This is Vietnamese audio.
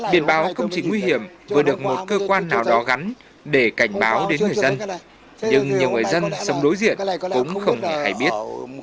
biện báo công trình nguy hiểm vừa được một cơ quan nào đó gắn để cảnh báo đến người dân nhưng nhiều người dân sống đối diện cũng không hề hãy biết